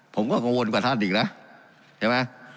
ผมก็กังวลกว่าท่านอีกนะใช่ไหม